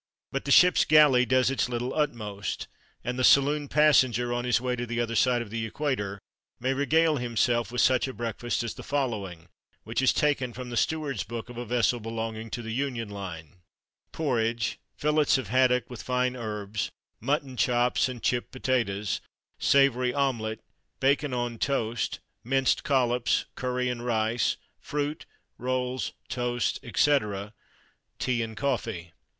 But the ship's galley does its little utmost; and the saloon passenger, on his way to the other side of the equator, may regale himself with such a breakfast as the following, which is taken from the steward's book of a vessel belonging to the Union Line: Porridge, fillets of haddock with fine herbs, mutton chops and chip potatoes, savoury omelet, bacon on toast, minced collops, curry and rice, fruit, rolls, toast, etc., tea and coffee.